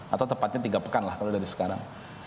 atau tepatnya tiga pekan lah kalau dari sekarang